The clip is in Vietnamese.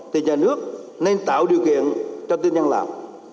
thì nhà nước nên tạo điều kiện cho tư nhân làm